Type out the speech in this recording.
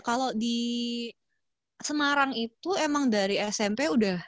kalau di semarang itu emang dari smp udah